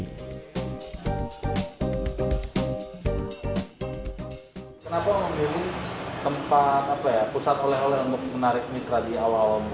kenapa om ibu tempat apa ya pusat oleh oleh untuk menarik mitra di awal buka warung com